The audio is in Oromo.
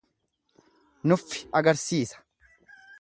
Nuffi agarsiisa.